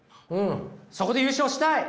そこで優勝したい。